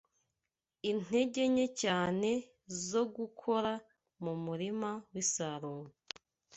Intege nke cyane zo gukora mumurima w'isarura